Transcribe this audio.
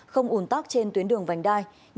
không ủn tóc trên tuyến đường vệ sinh